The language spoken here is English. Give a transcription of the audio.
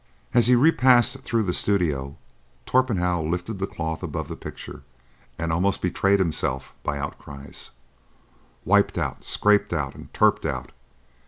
As he repassed through the studio, Torpenhow lifted the cloth above the picture, and almost betrayed himself by outcries: "Wiped out!—scraped out and turped out!